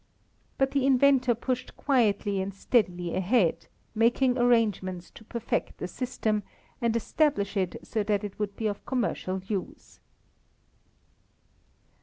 But the inventor pushed quietly and steadily ahead, making arrangements to perfect the system and establish it so that it would be of commercial use.